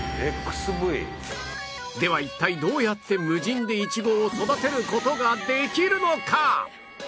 では一体どうやって無人でイチゴを育てる事ができるのか？